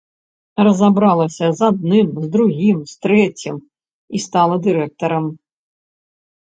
Разабралася з адным, з другім, з трэцім, і стала дырэктарам.